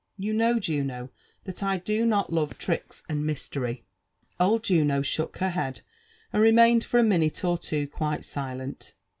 You know, Juno, that I do not love tricks and mystery. ' Old Juno shook her head, and remained for a minute or two quite silent.